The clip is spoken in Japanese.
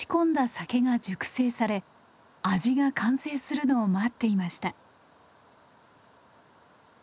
酒が熟成され味が完成するのを待っていました。